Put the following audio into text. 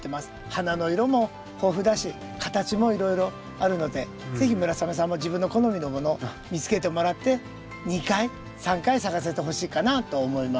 花の色も豊富だし形もいろいろあるので是非村雨さんも自分の好みのもの見つけてもらって２回３回咲かせてほしいかなと思います。